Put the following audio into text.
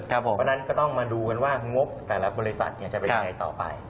เพราะฉะนั้นก็ต้องมาดูกันว่างบแต่ละบริษัทจะเป็นยังไงต่อไป